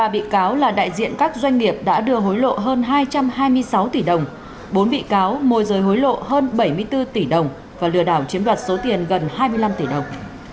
ba bị cáo là đại diện các doanh nghiệp đã đưa hối lộ hơn hai trăm hai mươi sáu tỷ đồng bốn bị cáo môi rời hối lộ hơn bảy mươi bốn tỷ đồng và lừa đảo chiếm đoạt số tiền gần hai mươi năm tỷ đồng